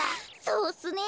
そうっすね。